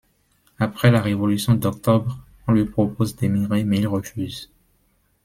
Après la révolution d’Octobre, on lui propose d’émigrer mais il refuse.